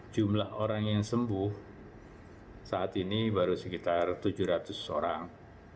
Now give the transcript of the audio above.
jumlah orang yang sembuh saat ini baru sekitar tujuh ratus orang